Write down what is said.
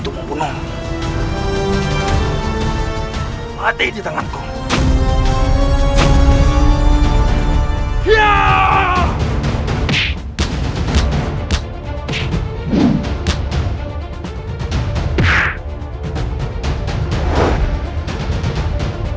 eh rambut ngambul jadi sekarang kau meremehkan aku